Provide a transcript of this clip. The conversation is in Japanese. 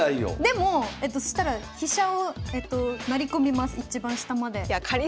でもそしたら飛車を成り込みます一番下まで。